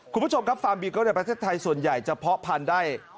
คุณผู้ชมครับฟาร์มบีเกิ้ลในประเทศไทยส่วนใหญ่จะเพาะพันธุ์ได้